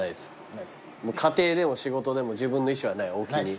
家庭でも仕事でも自分の意思はない大木に。